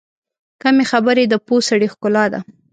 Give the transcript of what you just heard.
کمې خبرې، د پوه سړي ښکلا ده.